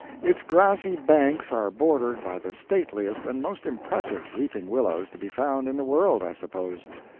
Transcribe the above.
Its grassy banks are bordered by the stateliest and most impressive weeping willows to be found in the world, I suppose.